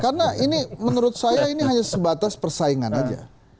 karena ini menurut saya ini hanya sebatas persaingan aja